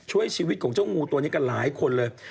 ช่วยชีวิตของเจ้างูตัวนี้กันหลายคนเลย